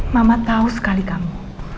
mama tahu sekali kamu